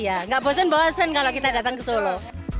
iya gak bosen bosen kalau kita datang ke solo